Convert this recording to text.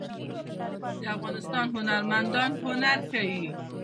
د افغانستان هنرمندان هنر ښيي